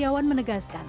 iwan aryawan menegaskan